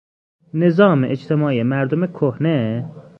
نظام اجتماعی مردم کهنه